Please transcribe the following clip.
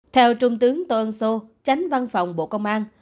theo trung tướng tô ân sô tránh văn phòng bộ công an